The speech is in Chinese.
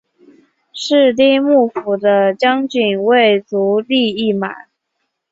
室町幕府的将军为足利义满。